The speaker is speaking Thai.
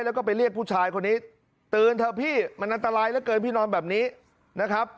แล้วก็ไปเรียกผู้ชายคนนี้ตื่นเถอะพี่มันอันตรายเหลือเกินพี่นอนแบบนี้นะครับ